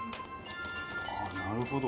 ああなるほど。